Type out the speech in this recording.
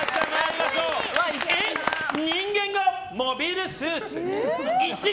人間がモビルスーツに？